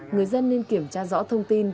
người dân nên kiểm tra rõ thông tin